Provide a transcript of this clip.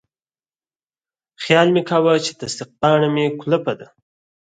خیال مې کاوه چې تصدیق پاڼه مې کلپه ده.